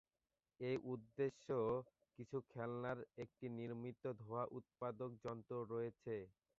এই উদ্দেশ্যে কিছু খেলনার একটি নির্মিত ধোঁয়া উৎপাদক যন্ত্র রয়েছে।